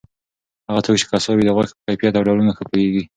هغه څوک چې قصاب وي د غوښې په کیفیت او ډولونو ښه پوهیږي.